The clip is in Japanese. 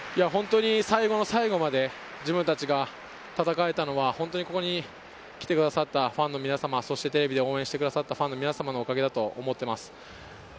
最後の最後まで、自分たちが戦えたのは、ここに来てくださったファンの皆様、テレビで応援してくださったファンの皆様のおかげだと思っています。